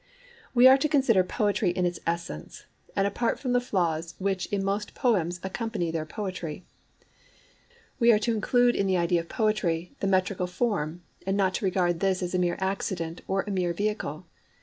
We are to consider poetry in its essence, and apart from the flaws which in most poems accompany their poetry. We are to include in the idea of poetry the metrical form, and not to regard this as a mere accident or a mere vehicle.